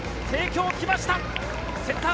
帝京きました！